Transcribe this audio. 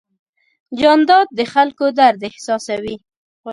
جانداد د خلکو درد احساسوي.